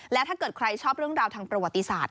และถ้าเกิดใครชอบเรื่องราวทางประวัติศาสต